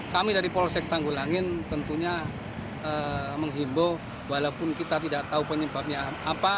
kami dari polsek tanggul angin tentunya menghimbau walaupun kita tidak tahu penyebabnya apa